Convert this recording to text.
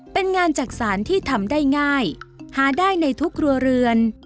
เป็นงานจักษานที่ทำได้ง่ายหาได้ในทุกครัวเรือน